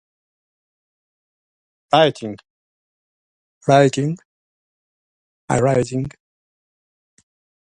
Michel Crozier did not become a sociologist by training.